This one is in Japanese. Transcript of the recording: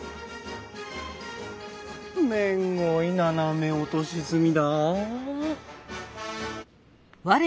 めんごい斜め落とし積みだあ。